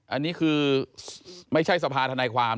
อันนี้คือไม่ใช่สภาธนายความ